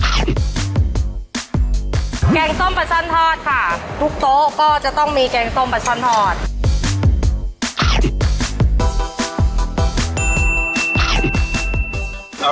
แกงส้มปลาช่อนทอดค่ะทุกโต๊ะก็จะต้องมีแกงส้มปลาช่อนทอด